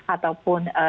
ataupun di perusahaan